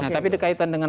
tapi dikaitan dengan